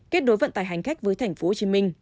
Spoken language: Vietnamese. kết đối vận tải hành khách với tp hcm